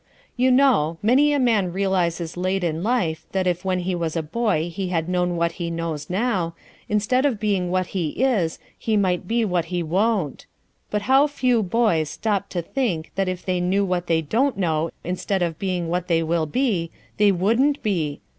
You know, many a man realizes late in life that if when he was a boy he had known what he knows now, instead of being what he is he might be what he won't; but how few boys stop to think that if they knew what they don't know instead of being what they will be, they wouldn't be?